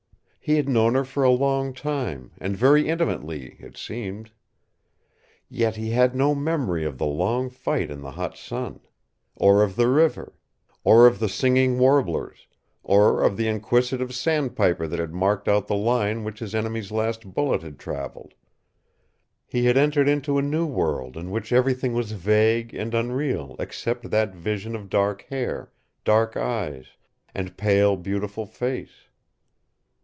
He had known her for a long time and very intimately, it seemed. Yet he had no memory of the long fight in the hot sun, or of the river, or of the singing warblers, or of the inquisitive sandpiper that had marked out the line which his enemy's last bullet had traveled. He had entered into a new world in which everything was vague and unreal except that vision of dark hair, dark eyes, and pale, beautiful face.